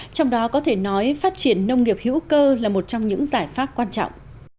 trong đó có thể nói phát triển nông nghiệp hữu cơ là một trong những giải pháp quan trọng